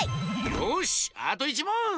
よしあと１もん！